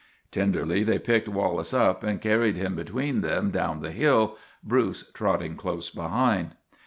Tenderly they picked Wallace up and carried him between them down the hill, Bruce trotting close be hind.